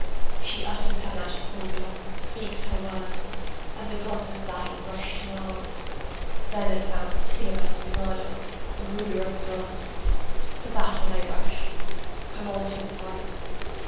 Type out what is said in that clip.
She utters her magic formula, speaks her word, And the gods of battle rush to arms. Then advance Tiamat, and Marduk the ruler of the gods To battle they rush, come on to the fight.